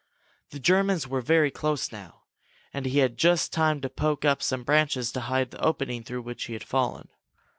The Germans were very close now and he had just time to poke up some branches to hide the opening through which he had fallen.